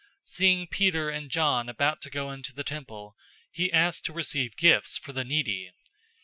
003:003 Seeing Peter and John about to go into the temple, he asked to receive gifts for the needy.